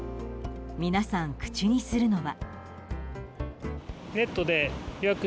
皆さん、口にするのは。